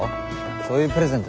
そういうプレゼント